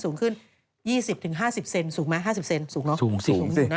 สูงสิ